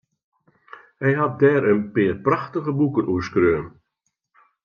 Hy hat dêr in pear prachtige boeken oer skreaun.